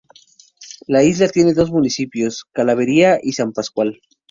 La isla tiene dos municipios, Clavería y San Pascual.